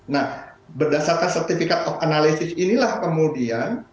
nah berdasarkan sertifikat of analysis inilah kemudian